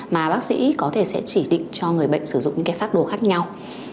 mà bác sĩ có thể sẽ chỉ định cho người bệnh sử dụng những cái phác đồ khác nhau